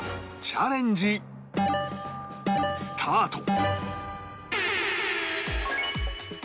チャレンジスタート！